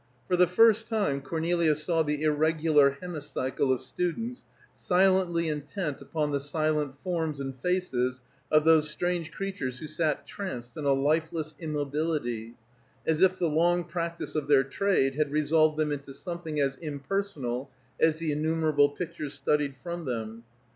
For the first time Cornelia saw the irregular hemicycle of students silently intent upon the silent forms and faces of those strange creatures who sat tranced in a lifeless immobility, as if the long practice of their trade had resolved them into something as impersonal as the innumerable pictures studied from them.